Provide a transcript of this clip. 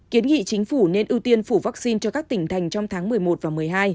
kiến nghị chính phủ nên ưu tiên phủ vaccine cho các tỉnh thành trong tháng một mươi một và một mươi hai